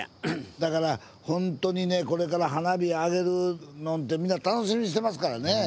だからほんとにねこれから花火上げるのんてみんな楽しみにしてますからね。